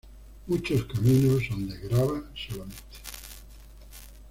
Muchos caminos son de grava solamente.